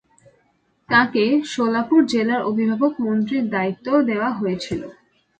তাঁকে সোলাপুর জেলার অভিভাবক মন্ত্রীর দায়িত্বও দেওয়া হয়েছিল।